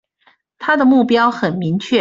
他的目標很明確